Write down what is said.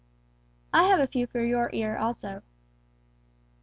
"I have a few for your ear also."